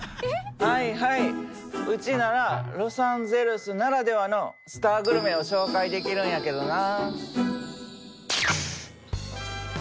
はいはいうちならロサンゼルスならではのスターグルメを紹介できるんやけどな。